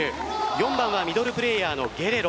４番はミドルプレーヤーのゲレロ